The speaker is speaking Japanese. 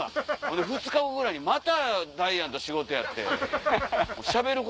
２日後ぐらいにまたダイアンと仕事やってん。